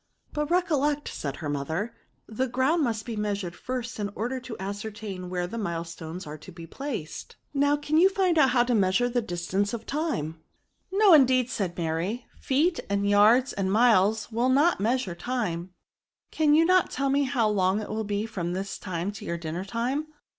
" But recollect," said her mother, " the ground must be measured first in order to as certain where the milestones are to be placed. Now, can you find out liow to measure the distance of time ?" DEMONSTRATIVE PRONOUNS, 195 " No, indeed," said Maxy; '* feet, and yards, and miles, will not measure time." " Cannot you tell me how long it will be from this time to your dinner time